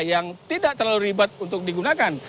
yang tidak terlalu ribet untuk digunakan